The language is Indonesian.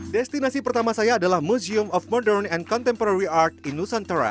destinasi pertama saya adalah museum of modern and contemporary art in nusantara